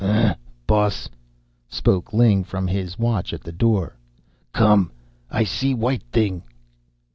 "Huh, boss," spoke Ling from his watch at the door. "Come. I see white thing."